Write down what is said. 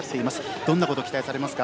どんなことを期待されますか？